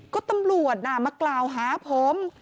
ก็ตำรวจน่ะมากล่าวหาผม